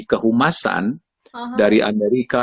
kehumasan dari amerika